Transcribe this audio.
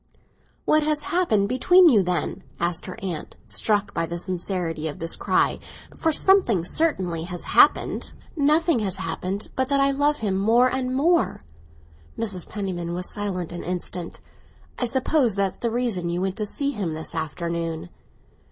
"What has happened between you, then?" asked her aunt, struck by the sincerity of this cry. "For something certainly has happened." "Nothing has happened but that I love him more and more!" Mrs. Penniman was silent an instant. "I suppose that's the reason you went to see him this afternoon."